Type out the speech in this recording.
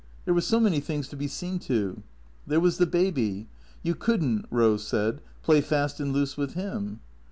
There were so many things to be seen to. There was the baby. You could n't, Eose said, play fast and loose with him.